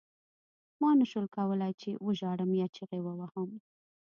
ما نشول کولای چې وژاړم یا چیغې ووهم